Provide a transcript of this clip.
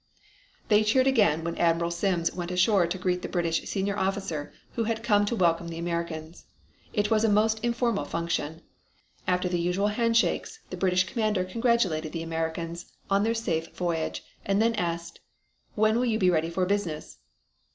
They cheered again when Admiral Sims went ashore to greet the British senior officer who had come to welcome the Americans. It was a most informal function. After the usual handshakes the British commander congratulated the Americans on their safe voyage and then asked: "When will you be ready for business?"